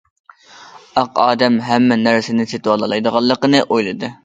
ئاق ئادەم ھەممە نەرسىنى سېتىۋالالايدىغانلىقىنى ئويلىدى.